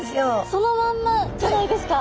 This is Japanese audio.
そのまんまじゃないですか。